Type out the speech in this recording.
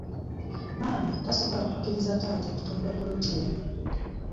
Maama tasobola kukiriza taata kutunda poloti eno.